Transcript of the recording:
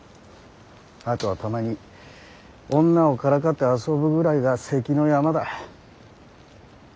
あとはたまに女をからかって遊ぶぐらいが関の山だ。